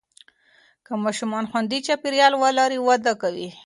که ماشومان خوندي چاپېریال ولري، وده کوي.